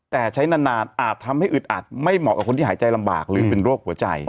แต่ใช้นานอาจทำให้อึดอัดไม่เหมาะกับคนที่หายใจลำบากหรือเป็นโรคหัวใจ